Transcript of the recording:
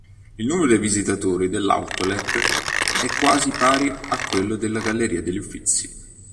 Il numero dei visitatori dell'outlet è quasi pari a quello della Galleria degli Uffizi.